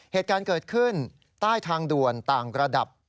เหตุการณ์เกิดขึ้นใต้ทางด่วนต่างระดับ